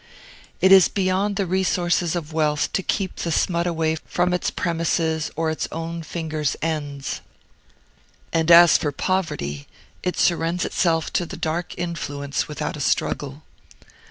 It is beyond the resources of Wealth to keep the smut away from its premises or its own fingers' ends; and as for Poverty, it surrenders itself to the dark influence without a struggle.